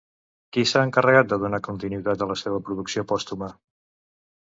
Qui s'ha encarregat de donar continuïtat a la seva producció pòstuma?